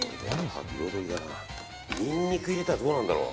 ニンニク入れたらどうなるんだろう。